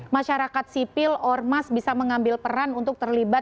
masyarakat sipil or mass bisa mengambil peran untuk terlibat